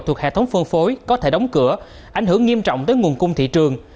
thuộc hệ thống phân phối có thể đóng cửa ảnh hưởng nghiêm trọng tới nguồn cung thị trường